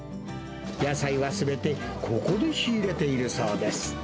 野菜はすべてここで仕入れているそうです。